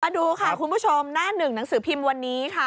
ดูค่ะคุณผู้ชมหน้าหนึ่งหนังสือพิมพ์วันนี้ค่ะ